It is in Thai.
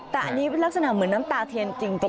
แต่อันนี้เป็นลักษณะเหมือนน้ำตาเทียนจริง